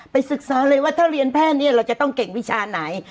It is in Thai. ศึกษาเลยว่าถ้าเรียนแพทย์นี้เราจะต้องเก่งวิชาไหน